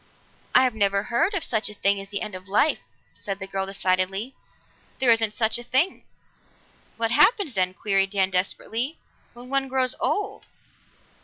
"I never heard of such a thing as the end of life!" said the girl decidedly. "There isn't such a thing." "What happens, then," queried Dan desperately, "when one grows old?"